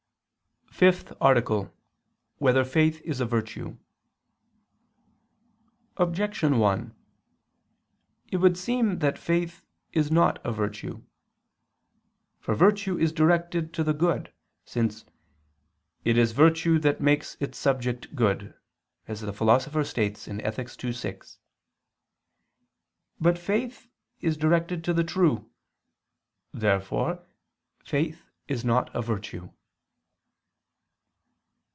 _______________________ FIFTH ARTICLE [II II, Q. 4, Art. 5] Whether Faith Is a Virtue? Objection 1: It would seem that faith is not a virtue. For virtue is directed to the good, since "it is virtue that makes its subject good," as the Philosopher states (Ethic. ii, 6). But faith is directed to the true. Therefore faith is not a virtue.